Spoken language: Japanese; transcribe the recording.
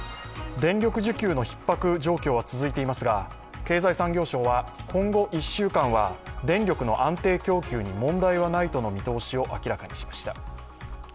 電力需給のひっ迫が続いていますが経済産業省は今後１週間は電力の安定供給に問題はないとの見通しを明らかにしました。